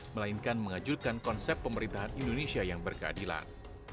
melainkan mengajurkan konsep pemerintahan indonesia yang berkeadilan